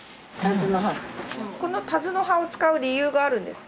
このタズの葉を使う理由があるんですか？